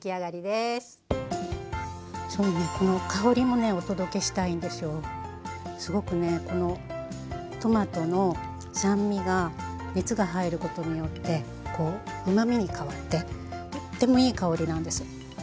すごくねこのトマトの酸味が熱が入ることによってこううまみに変わってとってもいい香りなんです。